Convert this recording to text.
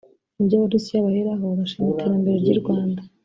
Mubyo Abarusiya baheraho bashima iterambere ry’u Rwanda